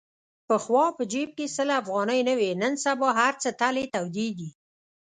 پخوا په جیب کې سل افغانۍ نه وې. نن سبا هرڅه تلې تودې دي.